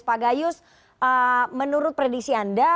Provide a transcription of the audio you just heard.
pak gayus menurut prediksi anda